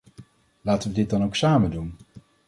Laten we dit dan ook samen doen!